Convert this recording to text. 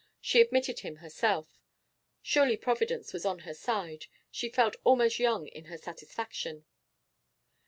She admitted him herself. Surely Providence was on her side; she felt almost young in her satisfaction.